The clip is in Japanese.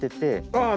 ああ！